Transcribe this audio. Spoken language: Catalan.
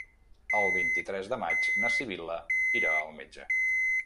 El vint-i-tres de maig na Sibil·la irà al metge.